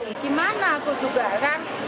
gimana aku juga kan